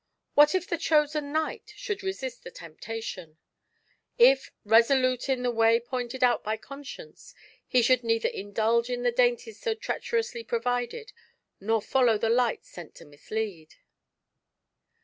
What if the chosen knight should resist the temptation — ^i^ resolute in the way pointed out by Conscience, he should neither indulge in the dainties so treacherously provided, nor follow the light sent to mislead